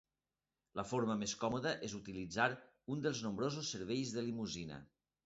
La forma més còmoda és utilitzar un dels nombrosos "serveis de limusina".